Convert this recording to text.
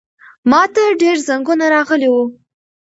ماته ډېر زنګونه راغلي وو.